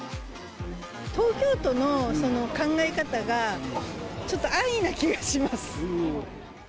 東京都のその考え方がちょっと安易な気がします。